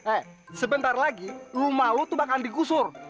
eh sebentar lagi lu mau tuh bakal digusur